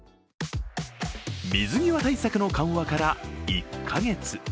水際対策の緩和から１か月。